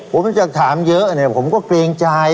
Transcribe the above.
ผมจะถามเยอะเนี่ยผมก็เกรงใจ